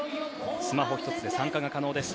スマホ１つで参加が可能です。